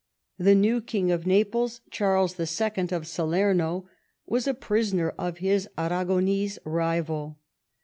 The new King of Naples, Charles II. of Salerno, was a prisoner of his Aragonese rival.